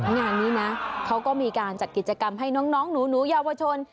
งานนี้นะเขาก็มีการจัดกิจกรรมให้น้องหนูเยาวชน